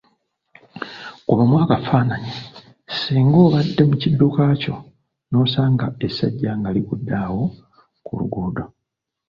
Kubamu akafaananyi singa obadde mu kidduka kyo n‘osanga essajja nga ligudde awo ku luguudo.